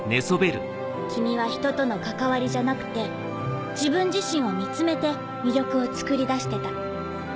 君はひととの関わりじゃなくて自分自身を見詰めて魅力をつくり出してた。